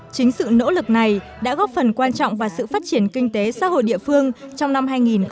chính sự nỗ lực này đã góp phần quan trọng vào sự phát triển kinh tế xã hội địa phương trong năm hai nghìn hai mươi